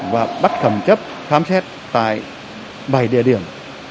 và bắt khẩm chấp thám xét tại bảy địa điểm